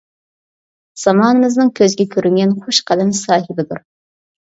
زامانىمىزنىڭ كۆزگە كۆرۈنگەن خۇش قەلەم ساھىبىدۇر.